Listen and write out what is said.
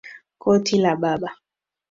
Koti la baba.